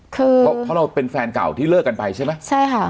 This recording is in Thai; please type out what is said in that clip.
เพราะเพราะเราเป็นแฟนเก่าที่เลิกกันไปใช่ไหมใช่ค่ะ